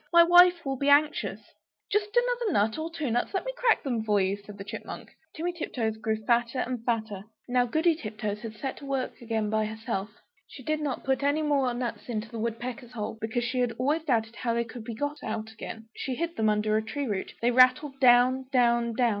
My wife will be anxious!" "Just another nut or two nuts; let me crack them for you," said the Chipmunk. Timmy Tiptoes grew fatter and fatter! Now Goody Tiptoes had set to work again by herself. She did not put any more nuts into the woodpecker's hole, because she had always doubted how they could be got out again. She hid them under a tree root; they rattled down, down, down.